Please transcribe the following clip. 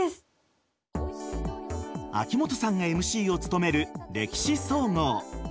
秋元さんがＭＣを務める「歴史総合」。